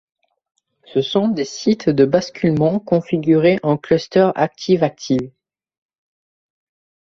Ce sont des sites de basculement configurés en cluster active-active.